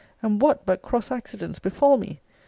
And what but cross accidents befall me!